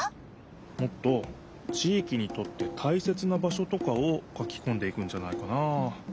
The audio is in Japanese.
もっと地いきにとってたいせつな場所とかを書きこんでいくんじゃないかなあ。